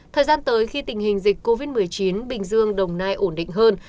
thời gian tới khi tình hình dịch covid một mươi chín bình dương đồng nai ổn định hơn